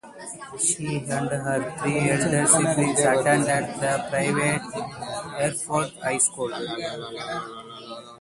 She and her three elder siblings attended the private Hereford High School.